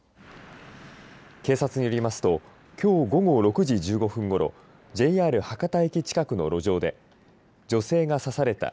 警察によりますときょう午後６時１５分ごろＪＲ博多駅近くの路上で女性が刺された。